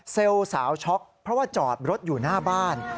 สาวช็อกเพราะว่าจอดรถอยู่หน้าบ้าน